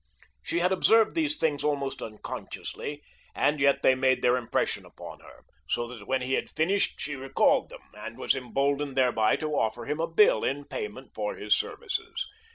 She had observed these things almost unconsciously, and yet they made their impression upon her, so that when he had finished she recalled them, and was emboldened thereby to offer him a bill in payment for his services.